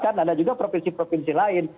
kan ada juga provinsi provinsi lain